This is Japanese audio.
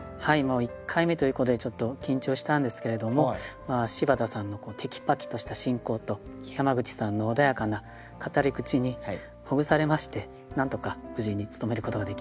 １回目ということでちょっと緊張したんですけれども柴田さんのテキパキとした進行と山口さんの穏やかな語り口にほぐされましてなんとか無事に務めることができました。